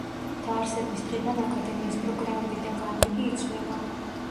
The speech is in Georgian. დაარსების დღიდან აკადემიის პროგრამები და განრიგი იცვლება.